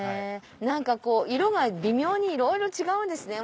何か色が微妙にいろいろ違うんですね。